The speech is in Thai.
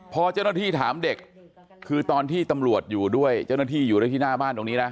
พอเจ้าหน้าที่ถามเด็กคือตอนที่ตำรวจอยู่ด้วยเจ้าหน้าที่อยู่ด้วยที่หน้าบ้านตรงนี้นะ